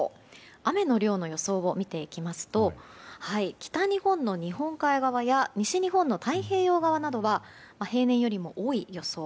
雨の量の予想を見ていきますと北日本の日本海側や西日本の太平洋側は平年よりも多い予想。